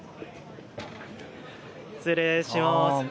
失礼します。